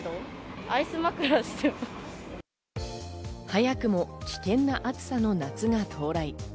早くも危険な暑さの夏が到来。